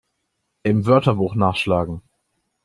Im Wörterbuch nachschlagen!